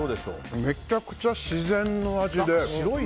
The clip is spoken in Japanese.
めちゃくちゃ自然の味で。